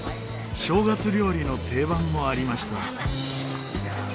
正月料理の定番もありました。